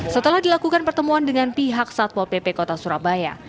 setelah dilakukan pertemuan dengan pihak satpol pp kota surabaya